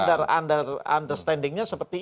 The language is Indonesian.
under understanding nya seperti ini